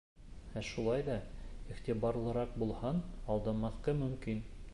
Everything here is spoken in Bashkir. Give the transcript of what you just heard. Ә шулай ҙа, иғтибарлыраҡ булһаң, алданмаҫҡа мөмкин.